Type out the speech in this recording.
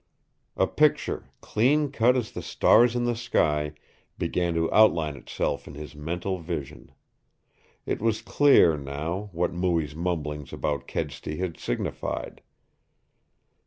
A picture, clean cut as the stars in the sky, began to outline itself in his mental vision. It was clear, now, what Mooie's mumblings about Kedsty had signified.